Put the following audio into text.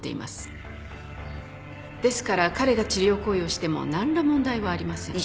ですから彼が治療行為をしても何ら問題はありません。